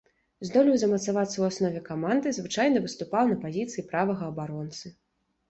Здолеў замацавацца ў аснове каманды, звычайна выступаў на пазіцыі правага абаронцы.